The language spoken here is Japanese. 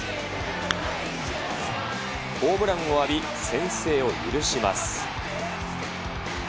ホームランを浴び、先制を許します。